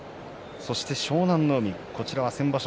そして湘南乃海、先場所